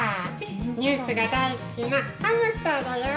ニュースが大好きなハムスターだよ。